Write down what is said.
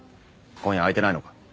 今夜空いてないのか？